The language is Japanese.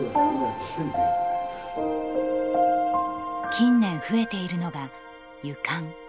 近年増えているのが、湯かん。